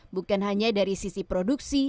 bukan hanya dari sisi produksi